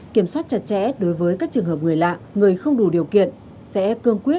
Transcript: kiểm soát chặt chẽ đối với các trường hợp người lạ người không đủ điều kiện